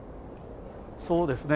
そうですね。